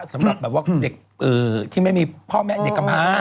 สำหรับแบบว่าเด็กที่ไม่มีพ่อแม่เด็กกลับมา